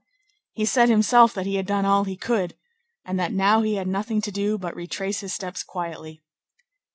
He said to himself that he had done all he could, and that now he had nothing to do but retrace his steps quietly.